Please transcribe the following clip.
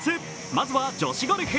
まずは女子ゴルフ。